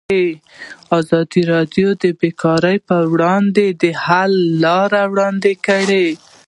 ازادي راډیو د بیکاري پر وړاندې د حل لارې وړاندې کړي.